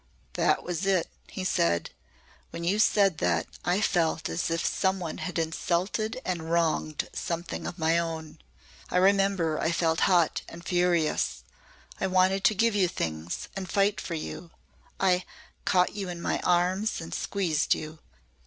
"That was it," he said. "When you said that I felt as if some one had insulted and wronged something of my own. I remember I felt hot and furious. I wanted to give you things and fight for you. I caught you in my arms and squeezed you."